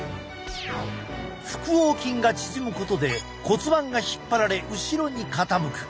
腹横筋が縮むことで骨盤が引っ張られ後ろに傾く。